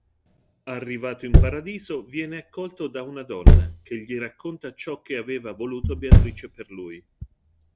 Arrivato in Paradiso viene accolto da una donna che gli racconta ciò che aveva voluto Beatrice per lui.